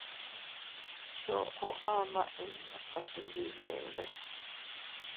Choʼo ama inña tase iydidebe.